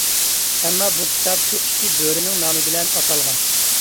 ئەمما بۇ كىتاب شۇ ئىككى بۆرىنىڭ نامى بىلەن ئاتالغان.